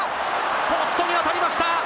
ポストに当たりました。